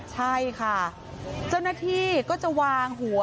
เจ้าหน้าที่ก็จะวางหัว